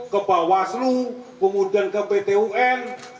ke bawaslu kemudian ke pt un